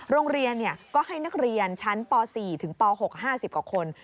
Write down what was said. โรงเรียนก็ให้นักเรียนชั้นป๔ถึงป๖๕๐กว่าคน